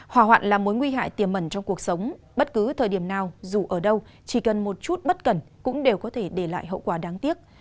hỏa hoạn là mối nguy hại tiềm mẩn trong cuộc sống bất cứ thời điểm nào dù ở đâu chỉ cần một chút bất cẩn cũng đều có thể để lại hậu quả đáng tiếc